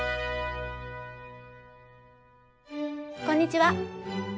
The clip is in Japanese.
こんにちは